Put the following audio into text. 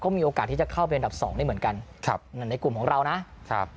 มีโอกาสที่จะเข้าเป็นอันดับสองได้เหมือนกันครับนั่นในกลุ่มของเรานะครับ